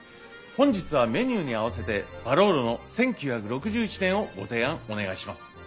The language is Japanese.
本日はメニューにあわせてバローロの１９６１年をご提案お願いします。